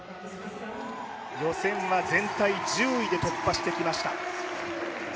予選は全体１０位で突破してきました。